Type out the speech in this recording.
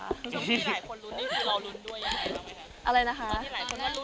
ตอนที่หลายคนรุ้นรู้ว่านักแสดงจะเป็นใครอะไรอย่างนี้